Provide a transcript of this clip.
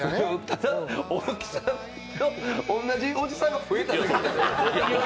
大木さんと同じおじさんが増えた。